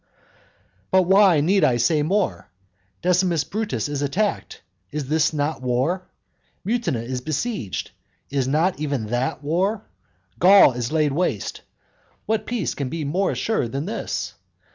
But why need I say more? Decimus Brutus is attacked. Is not that war? Mutina is besieged. Is not even that war? Gaul is laid waste. What peace can be more assured than this?